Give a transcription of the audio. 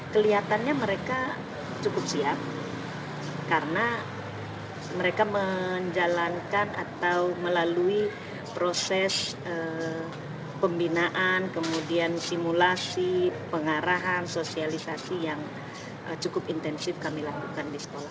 kelihatannya mereka cukup siap karena mereka menjalankan atau melalui proses pembinaan kemudian simulasi pengarahan sosialisasi yang cukup intensif kami lakukan di sekolah